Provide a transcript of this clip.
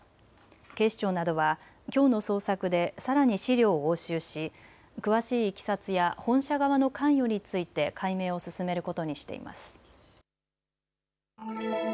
警視庁などはきょうの捜索でさらに資料を押収し詳しいいきさつや本社側の関与について解明を進めることにしています。